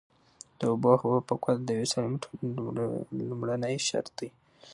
د اوبو او هوا پاکوالی د یوې سالمې ټولنې لومړنی شرط دی.